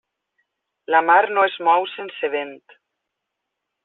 La mar no es mou sense vent.